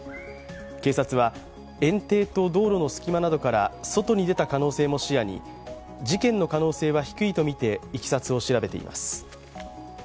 警察は園庭と道路の隙間などから外に出た可能性も視野に事件の可能性は低いとみていきさつを調べています。